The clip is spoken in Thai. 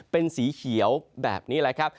เป็นสีเขียวแบบนี้แหละครับ